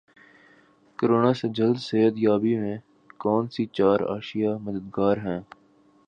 corona سے جلد صحت یابی میں کون سی چار اشیا مددگار ہیں